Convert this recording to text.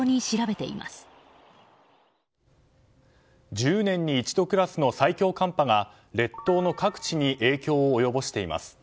１０年に一度クラスの最強寒波が列島の各地に影響を及ぼしています。